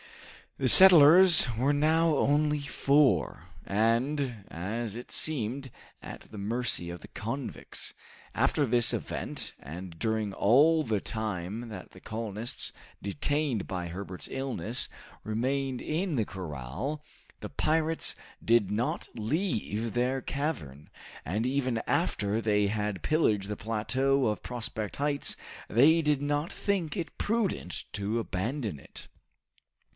The settlers were now only four, and, as it seemed, at the mercy of the convicts. After this event, and during all the time that the colonists, detained by Herbert's illness, remained in the corral, the pirates did not leave their cavern, and even after they had pillaged the plateau of Prospect Heights, they did not think it prudent to abandon it.